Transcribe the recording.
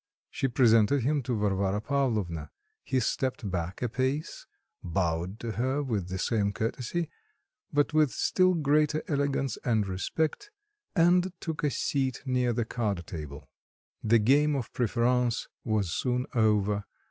She presented him to Varvara Pavlovna; he stepped back a pace, bowed to her with the same courtesy, but with still greater elegance and respect, and took a seat near the card table. The game of preference was soon over.